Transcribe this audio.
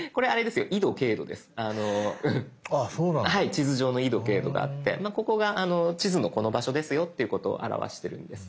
地図上の緯度・経度があってここが地図のこの場所ですよっていうことを表してるんです。